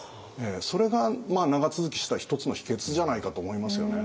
それが長続きした一つの秘訣じゃないかと思いますよね。